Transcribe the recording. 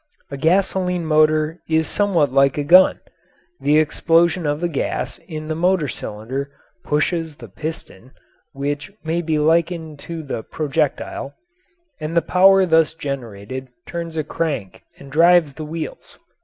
A gasoline motor is somewhat like a gun the explosion of the gas in the motor cylinder pushes the piston (which may be likened to the projectile), and the power thus generated turns a crank and drives the wheels.